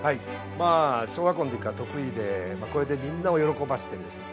まあ小学校の時から得意でこれでみんなを喜ばしてですね